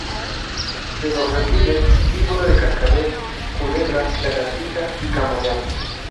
De los reptiles: víbora de cascabel, culebra, lagartija, y camaleón.